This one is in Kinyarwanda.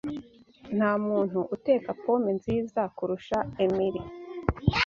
Ntamuntu uteka pome nziza kurusha Emily.